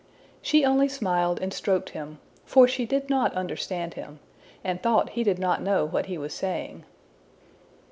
'' She only smiled and stroked him, for she did not understand him, and thought he did not know what he was saying.